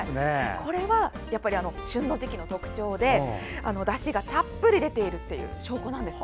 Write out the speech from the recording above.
これはやっぱり旬の時期の特徴でだしがたっぷり出ている証拠なんですって。